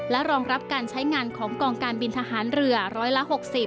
รองรับการใช้งานของกองการบินทหารเรือร้อยละ๖๐